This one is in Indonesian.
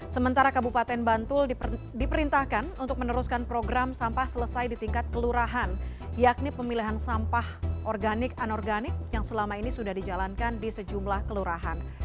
sementara kabupaten bantul diperintahkan untuk meneruskan program sampah selesai di tingkat kelurahan yakni pemilihan sampah organik anorganik yang selama ini sudah dijalankan di sejumlah kelurahan